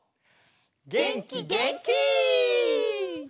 げんきげんき！